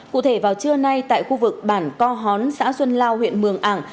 cụ thể vào trưa nay tại khu vực bản co hón xã xuân lao huyện mường ảng